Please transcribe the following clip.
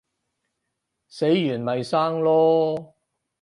死完咪生囉